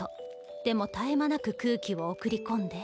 でも絶え間なく空気を送り込んで。